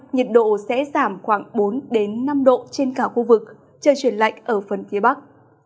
nhiệt độ sẽ giảm khoảng bốn năm độ trên cả khu vực trời chuyển lạnh ở phần phía bắc